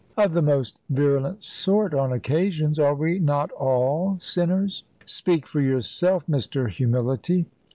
"Of the most virulent sort, on occasions. Are we not all sinners?" "Speak for yourself, Mr. Humility."